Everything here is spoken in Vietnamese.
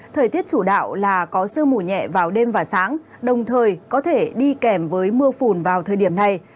thời tiết chủ đạo là có sương mù nhẹ vào đêm và sáng đồng thời có thể đi kèm với mưa phùn vào thời điểm này